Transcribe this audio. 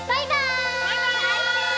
バイバーイ！